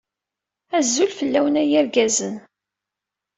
Azul fell-awen a yirgazen!